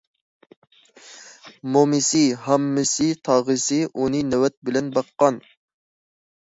مومىسى، ھاممىسى، تاغىسى ئۇنى نۆۋەت بىلەن باققان.